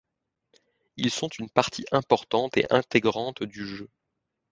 Ils sont une partie importante et intégrante du jeu.